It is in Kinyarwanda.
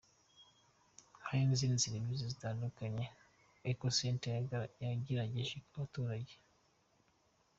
Hari n’izindi serivisi zitandukanye Ekocenter yegereje abaturage.